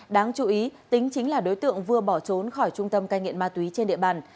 đáng chú ý tính chính là đối tượng vừa bỏ trốn khỏi trung tâm cai nghiện ma túy trên địa bàn